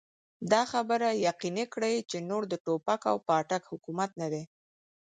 دا خبره يقيني کړي چې نور د ټوپک او پاټک حکومت نه دی.